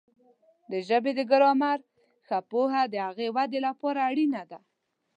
د ژبې د ګرامر ښه پوهه د هغې د وده لپاره اړینه ده.